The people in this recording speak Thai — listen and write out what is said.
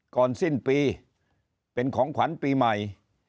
ก่อนสิ้นปีเป็นของขวัญปีใหม่